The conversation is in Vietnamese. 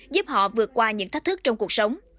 giúp họ vượt qua những thách thức trong cuộc sống